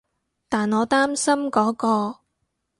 但我擔心嗰個